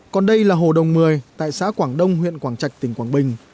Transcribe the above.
còn đây là hồ đồng một mươi tại xã quảng đông huyện quảng trạch tỉnh quảng bình